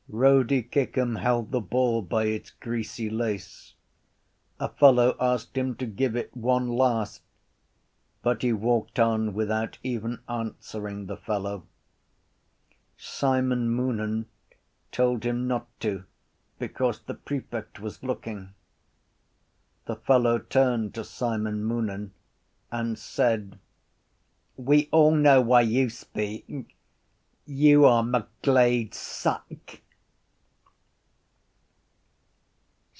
Rody Kickham held the ball by its greasy lace. A fellow asked him to give it one last: but he walked on without even answering the fellow. Simon Moonan told him not to because the prefect was looking. The fellow turned to Simon Moonan and said: —We all know why you speak. You are McGlade’s suck.